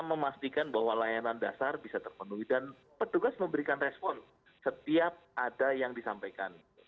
memastikan bahwa layanan dasar bisa terpenuhi dan petugas memberikan respon setiap ada yang disampaikan